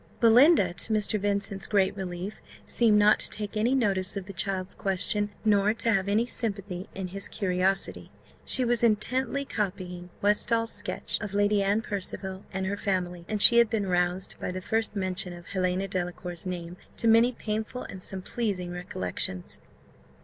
Belinda, to Mr. Vincent's great relief, seemed not to take any notice of the child's question, nor to have any sympathy in his curiosity; she was intently copying Westall's sketch of Lady Anne Percival and her family, and she had been roused, by the first mention of Helena Delacour's name, to many painful and some pleasing recollections.